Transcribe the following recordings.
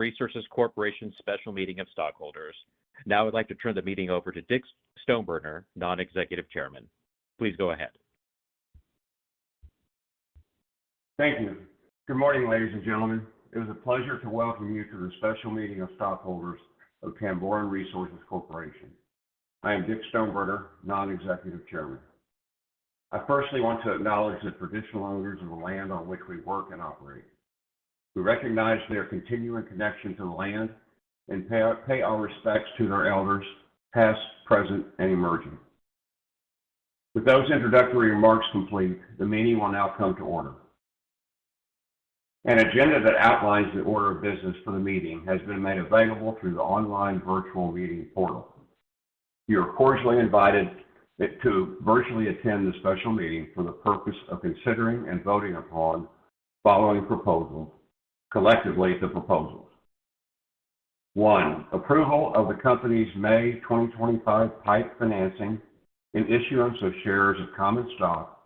Resources Corporation's special meeting of stockholders. Now I'd like to turn the meeting over to Dick Stoneburner, Non-Executive Chairman. Please go ahead. Thank you. Good morning, ladies and gentlemen. It is a pleasure to welcome you to the special meeting of stockholders of Tamboran Resources Corporation. I am Dick Stoneburner, Non-Executive Chairman. I firstly want to acknowledge the traditional owners of the land on which we work and operate. We recognize their continuing connection to the land and pay our respects to their elders, past, present, and emerging. With those introductory remarks complete, the meeting will now come to order. An agenda that outlines the order of business for the meeting has been made available through the online virtual meeting portal. You are cordially invited to virtually attend the special meeting for the purpose of considering and voting upon the following proposals, collectively the proposals. One, approval of the company's May 2025 PIPE (Private Investment in Public Equity) financing and issuance of shares of common stock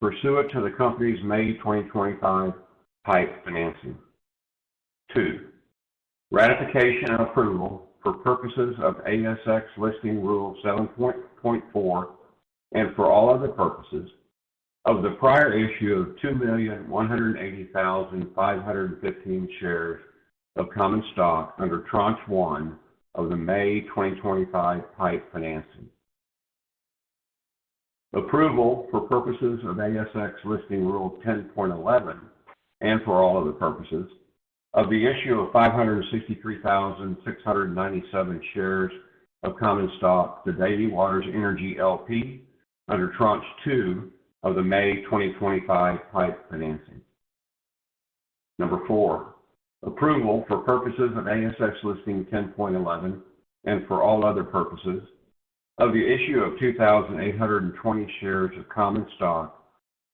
pursuant to the company's May 2025 PIPE financing. Two, ratification and approval for purposes of NSX listing rule 7.4 and for all other purposes of the prior issue of 2,180,515 shares of common stock under tranche one of the May 2025 PIPE financing. Approval for purposes of ASX listing rule 10.11 and for all other purposes of the issue of 563,697 shares of common stock to Daly Waters Energy LP under tranche two of the May 2025 PIPE financing. Number four, approval for purposes of ASX listing rule 10.11 and for all other purposes of the issue of 2,820 shares of common stock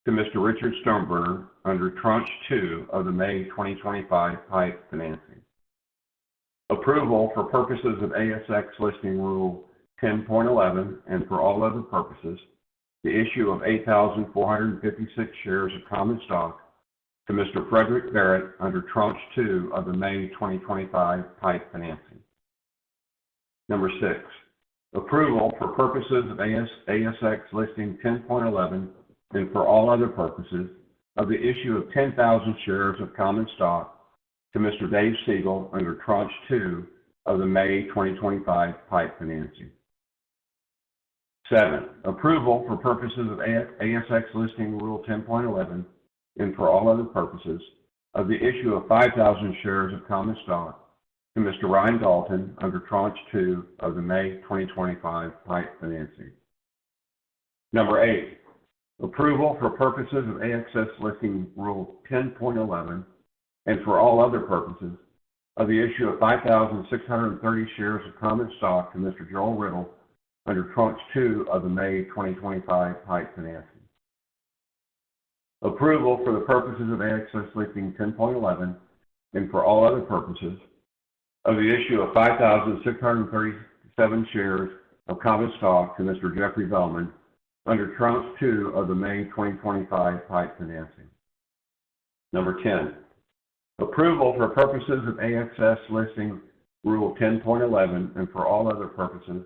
to Mr. Richard Stoneburner under tranche two of the May 2025 PIPE financing. Approval for purposes of ASX listing rule 10.11 and for all other purposes of the issue of 8,456 shares of common stock to Mr. Frederick Barrett under tranche two of the May 2025 PIPE financing. Number six, approval for purposes of ASX listing rule 10.11 and for all other purposes of the issue of 10,000 shares of common stock to Mr. David Siegel under tranche two of the May 2025 PIPE financing. Seven, approval for purposes of ASX listing rule 10.11 and for all other purposes of the issue of 5,000 shares of common stock to Mr. Ryan Dalton under tranche two of the May 2025 PIPE financing. Number eight, approval for purposes of ASX listing rule 10.11 and for all other purposes of the issue of 5,630 shares of common stock to Mr. Joel Riddle under tranche two of the May 2025 PIPE financing. Approval for the purposes of ASX listing rule 10.11 and for all other purposes of the issue of 5,637 shares of common stock to Mr. Jeffrey Bellman under tranche two of the May 2025 PIPE financing. Number 10, approval for purposes of ASX listing rule 10.11 and for all other purposes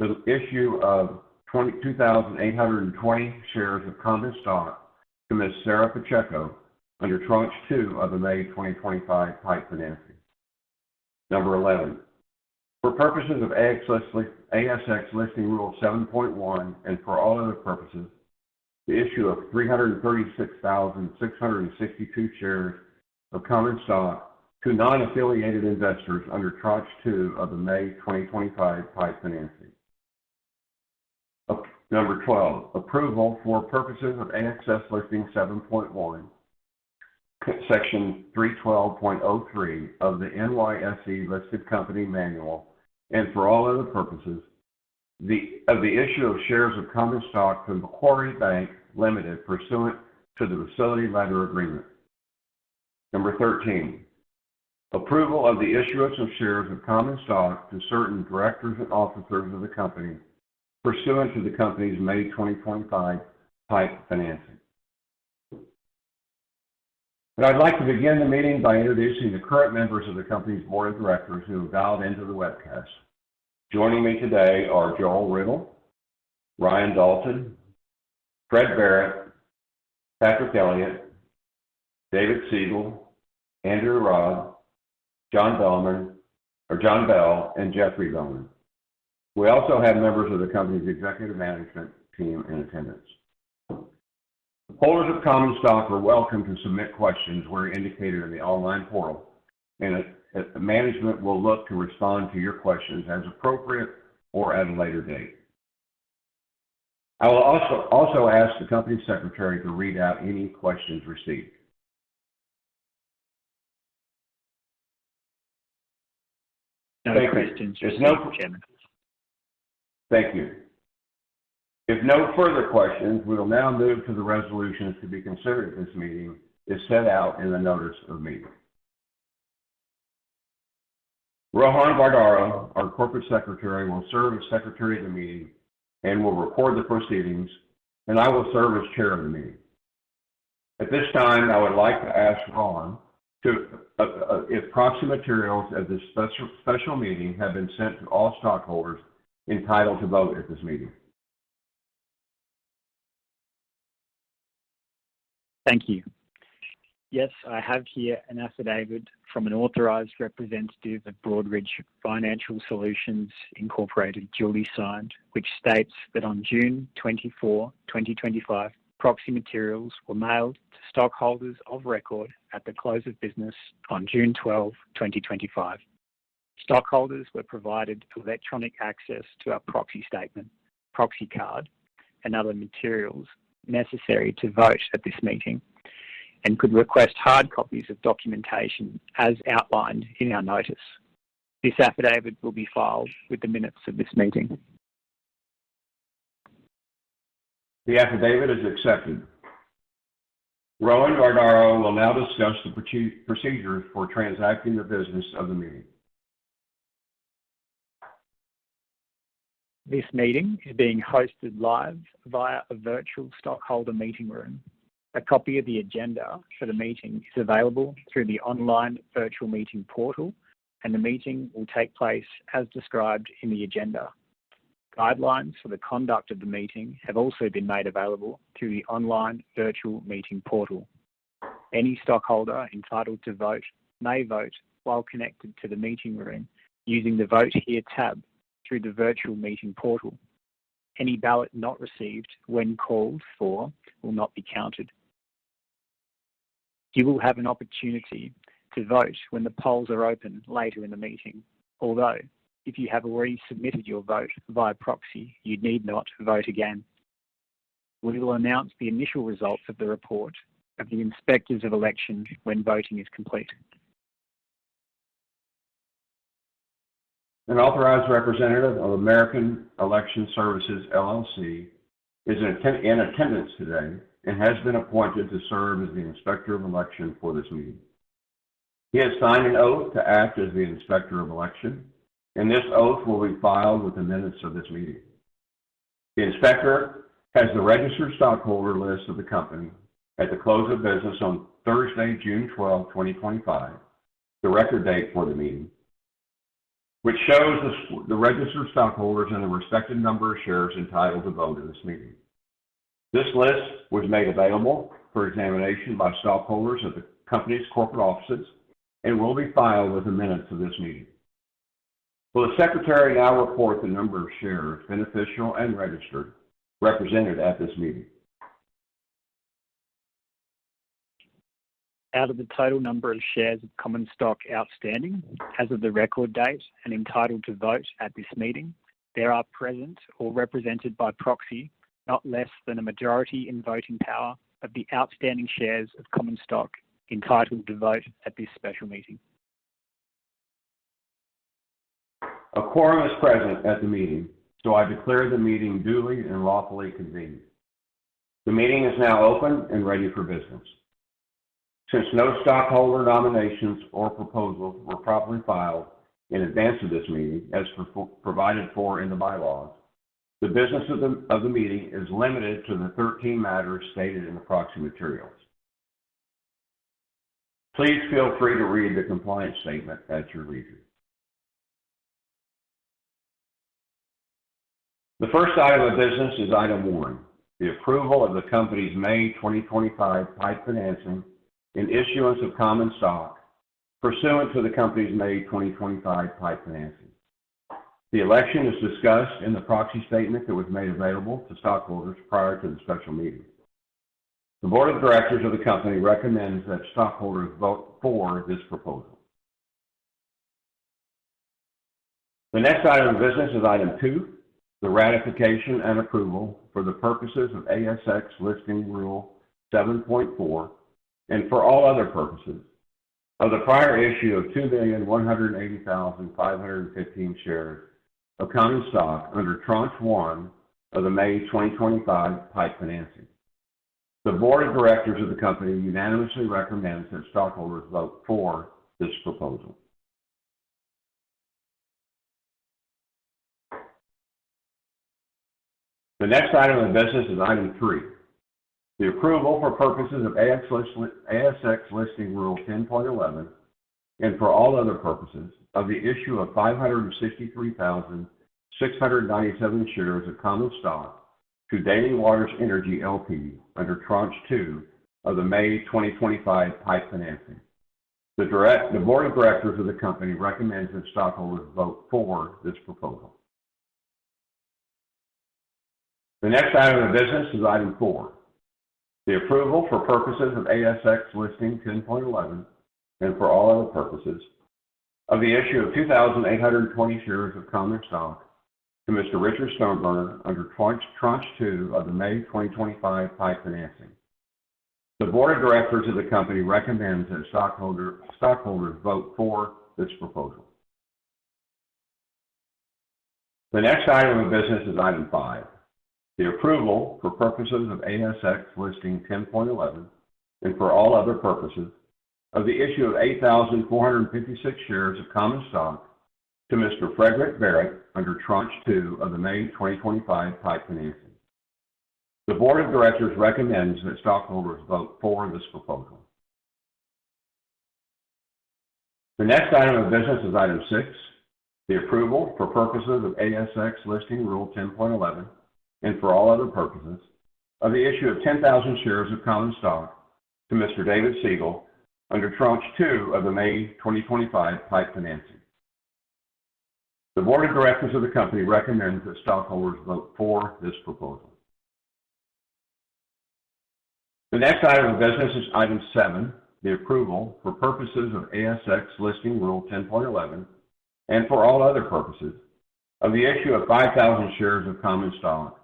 of the issue of 2,820 shares of common stock to Ms. Sarah Pacheco under tranche two of the May 2025 PIPE financing. Number 11, for purposes of ASX listing rule 7.1 and for all other purposes the issue of 336,662 shares of common stock to non-affiliated investors under tranche two of the May 2025 PIPE financing. Number 12, approval for purposes of ASX listing rule 7.1, section 312.03 of the NYSE listed company manual and for all other purposes of the issue of shares of common stock to Macquarie Bank Limited pursuant to the facility lender agreement. Number thirteen, approval of the issuance of shares of common stock to certain directors and officers of the company pursuant to the company's May 2025 PIPE financing. I'd like to begin the meeting by introducing the current members of the company's board of directors who have dialed into the webcast. Joining me today are Joel Riddle, Ryan Dalton, Fred Barrett, Patrick Elliott, David Siegel, Andrew Robb, John Bell, and Jeffrey Bellman. We also have members of the company's executive management team in attendance. The holders of common stock are welcome to submit questions where indicated in the online portal, and management will look to respond to your questions as appropriate or at a later date. I will also ask the company secretary to read out any questions received. No questions. Thank you. If no further questions, we'll now move to the resolutions to be considered in this meeting as set out in the notice of meeting. Rohan Vardaro, our Corporate Secretary, will serve as Secretary of the meeting and will record the proceedings, and I will serve as Chair of the meeting. At this time, I would like to ask Rohan if proxy materials of this special meeting have been sent to all stockholders entitled to vote at this meeting. Thank you. Yes, I have here an affidavit from an authorized representative of Broadridge Financial Solutions Incorporated, duly signed, which states that on June 24, 2025, proxy materials were mailed to stockholders of record at the close of business on June 12, 2025. Stockholders were provided electronic access to our proxy statement, proxy card, and other materials necessary to vote at this meeting and could request hard copies of documentation as outlined in our notice. This affidavit will be filed with the minutes of this meeting. The affidavit is accepted. Rohan will now discuss the procedures for transacting the business of the meeting. This meeting is being hosted live via a virtual stockholder meeting room. A copy of the agenda for the meeting is available through the online virtual meeting portal, and the meeting will take place as described in the agenda. Guidelines for the conduct of the meeting have also been made available through the online virtual meeting portal. Any stockholder entitled to vote may vote while connected to the meeting room using the Vote Here tab through the virtual meeting portal. Any ballot not received when called for will not be counted. You will have an opportunity to vote when the polls are open later in the meeting, although if you have already submitted your vote via proxy, you need not vote again. We will announce the initial results of the report of the inspectors of election when voting is complete. An authorized representative of American Election Services LLC is in attendance today and has been appointed to serve as the Inspector of Election for this meeting. He has signed an oath to act as the Inspector of Election, and this oath will be filed with the minutes of this meeting. The Inspector has the registered stockholder list of the company at the close of business on Thursday, June 12, 2025, the record date for the meeting, which shows the registered stockholders and the respective number of shares entitled to vote in this meeting. This list was made available for examination by stockholders at the company's corporate offices and will be filed with the minutes of this meeting. Will the Secretary now report the number of shares, beneficial, and registered represented at this meeting? Out of the total number of shares of common stock outstanding, as of the record date and entitled to vote at this meeting, there are present or represented by proxy not less than a majority in voting power of the outstanding shares of common stock entitled to vote at this special meeting. A quorum is present at the meeting, so I declare the meeting duly and lawfully convened. The meeting is now open and ready for business. Since no stockholder nominations or proposals were properly filed in advance of this meeting, as provided for in the bylaws, the business of the meeting is limited to the 13 matters stated in the proxy materials. Please feel free to read the compliance statement at your leisure. The first item of business is item one, the approval of the company's May 2025 PIPE (Private Investment in Public Equity) financing and issuance of common stock pursuant to the company's May 2025 PIPE financing. The election is discussed in the proxy statement that was made available to stockholders prior to the special meeting. The board of directors of the company recommends that stockholders vote for this proposal. The next item of business is item two, the ratification and approval for the purposes of ASX listing rule 7.4 and for all other purposes of the prior issue of 2,180,515 shares of common stock under tranche one of the May 2025 PIPE financing. The board of directors of the company unanimously recommends that stockholders vote for this proposal. The next item of business is item three, the approval for purposes of ASX listing rule 10.11 and for all other purposes of the issue of 563,697 shares of common stock to Daly Waters Energy LP under tranche two of the May 2025 PIPE financing. The board of directors of the company recommends that stockholders vote for this proposal. The next item of business is item four, the approval for purposes of ASX listing rule 10.11 and for all other purposes of the issue of 2,820 shares of common stock to Mr. Dick Stoneburner under tranche two of the May 2025 PIPE financing. The board of directors of the company recommends that stockholders vote for this proposal. The next item of business is item five, the approval for purposes of ASX listing rule 10.11 and for all other purposes of the issue of 8,456 shares of common stock to Mr. Frederick Barrett under tranche two of the May 2025 PIPE financing. The board of directors recommends that stockholders vote for this proposal. The next item of business is item six, the approval for purposes of ASX listing rule 10.11 and for all other purposes of the issue of 10,000 shares of common stock to Mr. David Siegel under tranche two of the May 2025 PIPE financing. The board of directors of the company recommends that stockholders vote for this proposal. The next item of business is item seven, the approval for purposes of ASX listing rule 10.11 and for all other purposes of the issue of 5,000 shares of common stock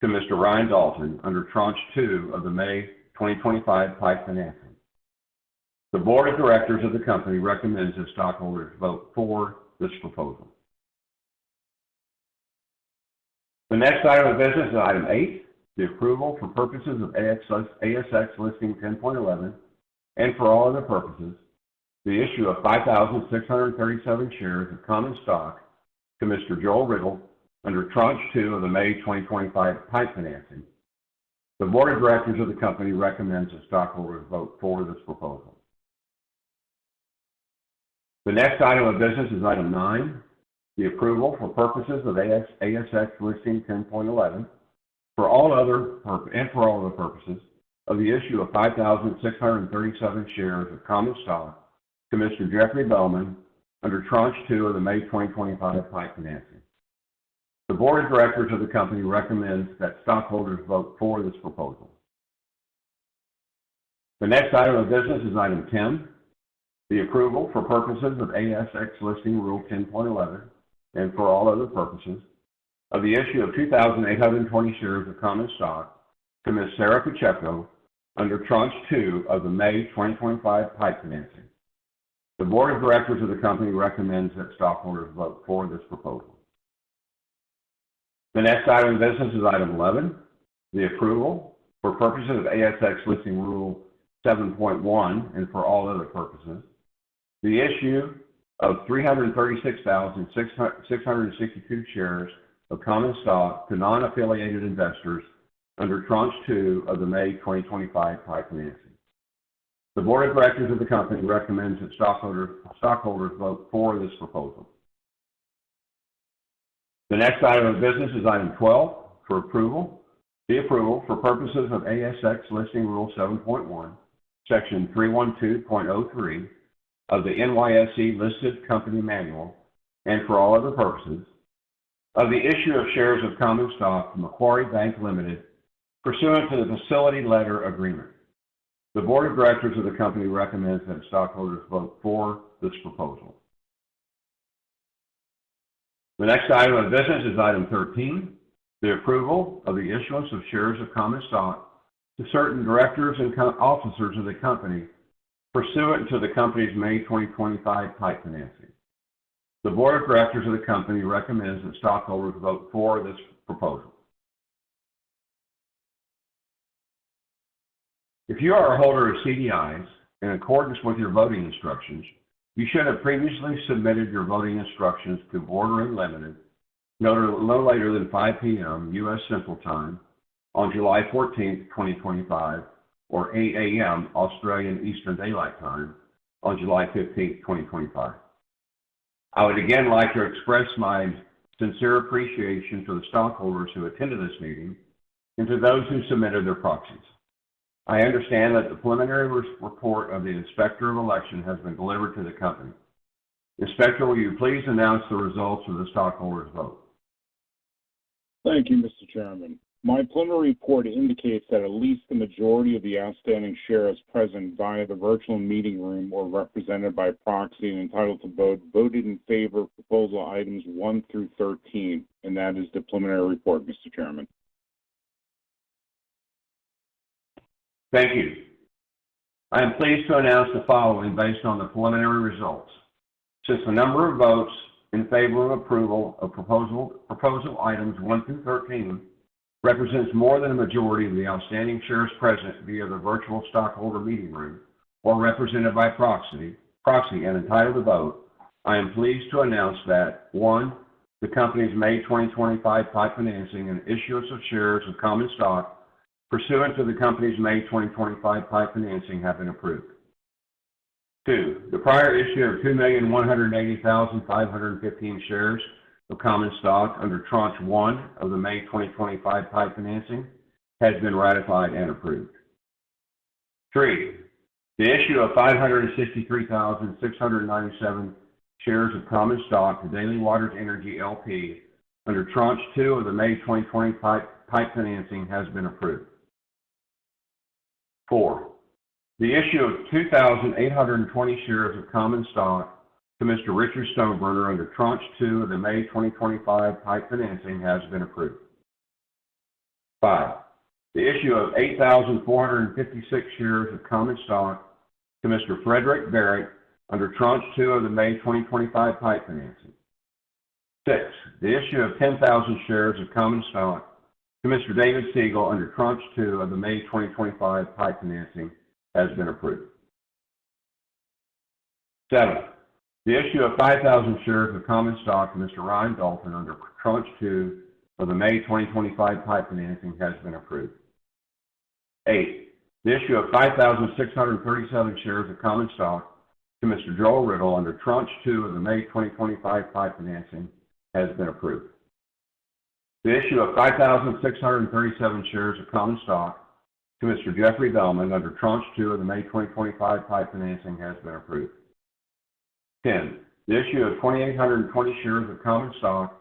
to Mr. Ryan Dalton under tranche two of the May 2025 PIPE financing. The board of directors of the company recommends that stockholders vote for this proposal. The next item of business is item eight, the approval for purposes of ASX listing rule 10.11 and for all other purposes of the issue of 5,637 shares of common stock to Mr. Joel Riddle under tranche two of the May 2025 PIPE financing. The board of directors of the company recommends that stockholders vote for this proposal. The next item of business is item nine, the approval for purposes of ASX listing rule 10.11 and for all other purposes of the issue of 5,637 shares of common stock to Mr. Jeffrey Bellman under tranche two of the May 2025 PIPE financing. The board of directors of the company recommends that stockholders vote for this proposal. The next item of business is item ten, the approval for purposes of ASX listing rule 10.11 and for all other purposes of the issue of 2,820 shares of common stock to Ms. Sarah Pacheco under tranche two of the May 2025 PIPE financing. The board of directors of the company recommends that stockholders vote for this proposal. The next item of business is item 11, the approval for purposes of ASX listing rule 7.1 and for all other purposes of the issue of 336,662 shares of common stock to non-affiliated investors under tranche two of the May 2025 PIPE financing. The board of directors of the company recommends that stockholders vote for this proposal. The next item of business is item 12, the approval for purposes of ASX listing rule 7.1, section 312.03 of the NYSE listed company manual and for all other purposes of the issue of shares of common stock to Macquarie Bank Limited. pursuant to the facility lender agreement. The board of directors of the company recommends that stockholders vote for this proposal. The next item of business is item 13, the approval of the issuance of shares of common stock to certain directors and officers of the company pursuant to the company's May 2025 PIPE financing. The board of directors of the company recommends that stockholders vote for this proposal. If you are a holder of CDIs and in accordance with your voting instructions, you should have previously submitted your voting instructions to Boardroom Lemonade no later than 5:00 P.M. U.S. Central Time on July 14, 2025, or 8:00 A.M. Australian Eastern Daylight Time on July 15, 2025. I would again like to express my sincere appreciation to the stockholders who attended this meeting and to those who submitted their proxies. I understand that the preliminary report of the inspector of election has been delivered to the company. Inspector, will you please announce the results of the stockholders' vote? Thank you, Mr.Chairman. My preliminary report indicates that at least the majority of the outstanding shares present via the virtual meeting room were represented by proxy entitled to vote, voted in favor of proposal items one through 13, and that is the preliminary report, Mr. Chairman. Thank you. I am pleased to announce the following based on the preliminary results. Since the number of votes in favor of approval of proposal items one through 13 represents more than a majority of the outstanding shares present via the virtual stockholder meeting room or represented by proxy entitled to vote, I am pleased to announce that, one, the company's May 2025 PIPE financing and issuance of shares of common stock pursuant to the company's May 2025 PIPE financing have been approved. Two, the prior issue of 2,180,515 shares of common stock under tranche one of the May 2025 PIPE financing has been ratified and approved. Three, the issue of 563,697 shares of common stock to Daly Waters Energy LP under tranche two of the May 2025 PIPE financing has been approved. Four, the issue of 2,820 shares of common stock to Mr. Dick Stoneburner under tranche two of the May 2025 PIPE financing has been approved. Five, the issue of 8,456 shares of common stock to Mr. Frederick Barrett under tranche two of the May 2025 PIPE financing has been approved. Six, the issue of 10,000 shares of common stock to Mr. David Siegel under tranche two of the May 2025 PIPE financing has been approved. Seven, the issue of 5,000 shares of common stock to Mr. Ryan Dalton under tranche two of the May 2025 PIPE financing has been approved. Eight, the issue of 5,637 shares of common stock to Mr. Joel Riddle under tranche two of the May 2025 PIPE financing has been approved. Nine, the issue of 5,637 shares of common stock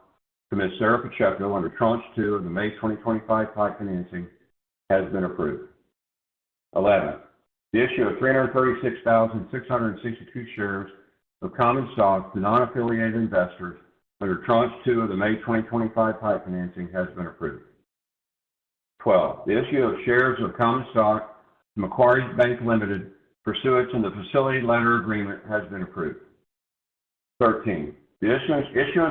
to Mr. Jeffrey Bellman under tranche two of the May 2025 PIPE financing has been approved. 10, the issue of 2,820 shares of common stock to Ms. Sarah Pacheco under tranche two of the May 2025 PIPE financing has been approved. 11, the issue of 336,662 shares of common stock to non-affiliated investors under tranche two of the May 2025 PIPE financing has been approved. 12, the issue of shares of common stock to Macquarie Bank Ltd. pursuant to the facility lender agreement has been approved. 13, the issuance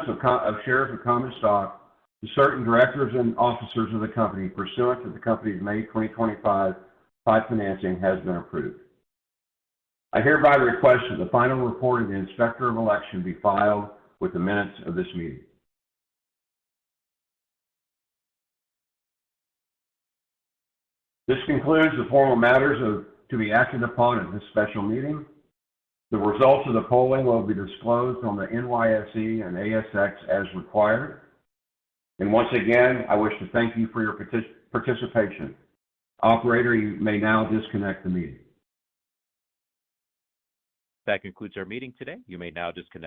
of shares of common stock to certain directors and officers of the company pursuant to the company's May 2025 PIPE financing has been approved. I hereby request that the final report of the inspector of election be filed with the minutes of this meeting. This concludes the formal matters to be acted upon in this special meeting. The results of the polling will be disclosed on the NYSE and ASX as required. I wish to thank you for your participation. Operator, you may now disconnect the meeting. That concludes our meeting today. You may now disconnect.